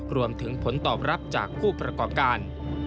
รวมถึงผลตอบรับจากผู้ประกอบการ